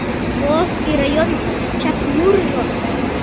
Волжский районын чапмурыжо